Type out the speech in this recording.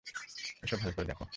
এসো, ভালো করে দেখো।